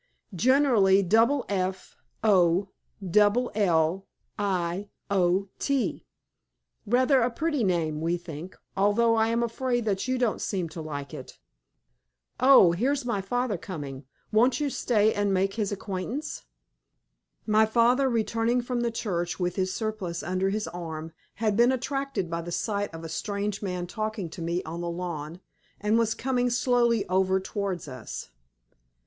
"Generally, double F, O, double L, I, O, T. Rather a pretty name, we think, although I am afraid that you don't seem to like it. Oh! here's my father coming. Won't you stay, and make his acquaintance?" My father, returning from the church, with his surplice under his arm, had been attracted by the sight of a strange man talking to me on the lawn, and was coming slowly over towards us. Mr.